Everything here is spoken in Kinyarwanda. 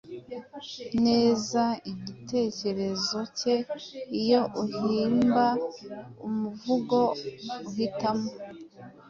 neza igitekerezo ke. Iyo uhimba umuvugo, uhitamo